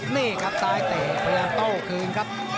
นี่ครับซ้ายเตะพยายามโต้คืนครับ